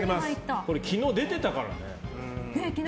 これ昨日出てたからね。